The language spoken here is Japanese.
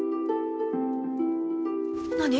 何？